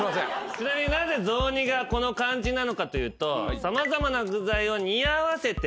ちなみになぜ雑煮がこの漢字なのかというと。